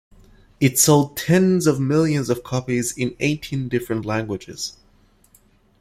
It sold tens of millions of copies in eighteen different languages.